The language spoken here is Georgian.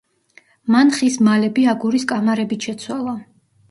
მან ხის მალები აგურის კამარებით შეცვალა.